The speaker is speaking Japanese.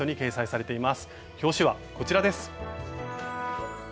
表紙はこちらです。